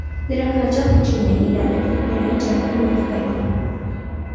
Նրանք հաճախ վիճում էին իրար հետ ֆուտբոլային ճամբարի մոտակայքում։